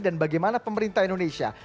dan bagaimana pemerintah indonesia